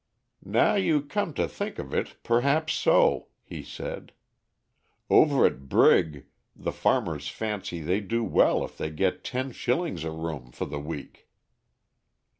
"Now you come to think of it, perhaps so," he said. "Over at Brigg, the farmers fancy they do well if they get ten shillings a room for the week."